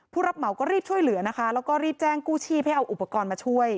รับเหมาก็รีบช่วยเหลือนะคะแล้วก็รีบแจ้งกู้ชีพให้เอาอุปกรณ์มาช่วย